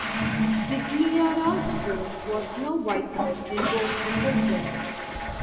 Zigliara's fame was now widespread in Rome and elsewhere.